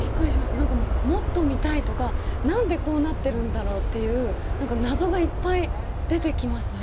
何かもっと見たいとか何でこうなってるんだろうっていう謎がいっぱい出てきますね。